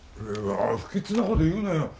不吉なこと言うなよ